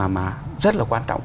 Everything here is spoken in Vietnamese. mà rất là quan trọng